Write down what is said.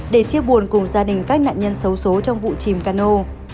để chia buồn cùng gia đình các nạn nhân xấu xố trong vụ chìm cano